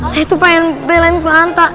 saya tuh pengen belain kunanta